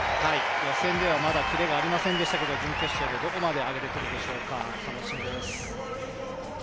予選ではまだ切れがありませんでしたけれども、準決勝でどこまで上げてくるでしょうか、楽しみです。